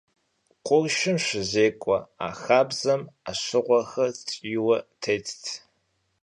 Къуршым щызекӏуэ а хабзэм ӏэщыхъуэхэр ткӏийуэ тетт.